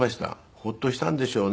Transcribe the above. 「ホッとしたんでしょうね」。